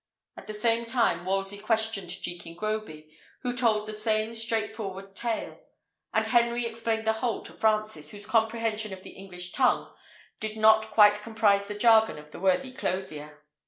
At the same time Wolsey questioned Jekin Groby, who told the same straightforward tale; and Henry explained the whole to Francis, whose comprehension of the English tongue did not quite comprise the jargon of the worthy clothier.